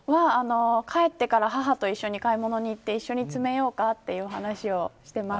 帰ってから母と一緒に買い物に行って一緒に詰めようかという話をしています。